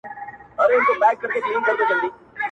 طوطي نه وو یوه لویه ننداره وه!!